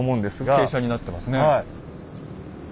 傾斜になってますね。